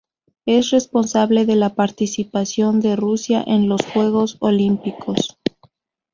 Es responsable de la participación de Rusia en los Juegos Olímpicos.